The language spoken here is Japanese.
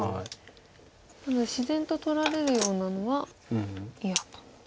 なので自然と取られるようなのは嫌と。